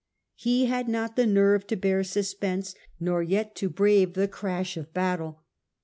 He had not the nerve to bear suspense nor yet to brave the crash of battle.